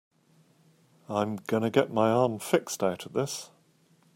I'm gonna get my arm fixed out of this.